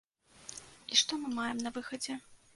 І што мы маем на выхадзе?